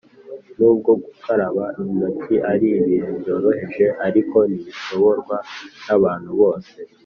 Nubwo gukaraba intoki ari ibintu byoroheje ariko ntibishoborwa nabantu bose